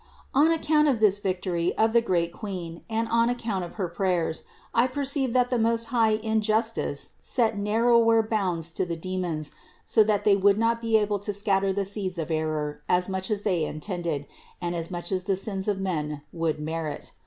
363. On account of this victory of the great Queen and on account of her prayers, I perceived that the Most High in justice set narrower bounds to the demons, so that they would not be able to scatter the seeds of error as much as they intended and as much as the sins of men would merit.